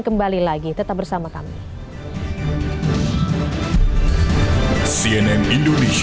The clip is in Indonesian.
kembali lagi tetap bersama kami